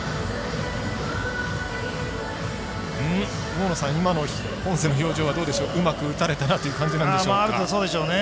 大野さん、今のポンセの表情はどうでしょううまく打たれたなという感じなんでしょうか。